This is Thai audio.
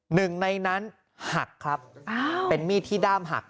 หนึ่งในนั้นหักครับเป็นมีดที่ด้ามหัก